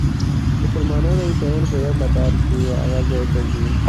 مسلمانان او عیسویان په یوه کتار کې هغه ځای ته ځي.